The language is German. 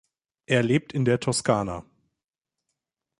Er lebt in der Toskana.